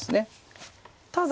ただ。